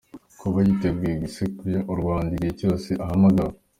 Kuba yiteguye guserukira u Rwanda igihe cyose ahamagawe.